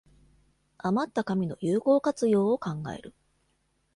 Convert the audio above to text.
あまった紙の有効活用を考える